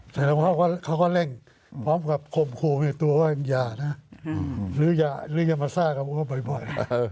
แสดงว่าเขาก็เร่งพร้อมกับคมครูมีตัวว่ายาหรือยามัสซ่ากับพวกเขาบ่อย